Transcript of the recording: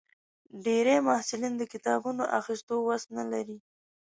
ډېری محصلین د کتابونو اخیستو وس نه لري.